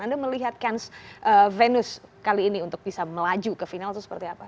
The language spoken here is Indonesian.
anda melihat kans venus kali ini untuk bisa melaju ke final itu seperti apa